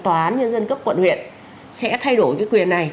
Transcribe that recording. tòa án nhân dân cấp quận huyện